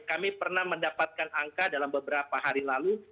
kami pernah mendapatkan angka dalam beberapa hari lalu